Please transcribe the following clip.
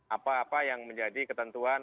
apa apa yang menjadi ketentuan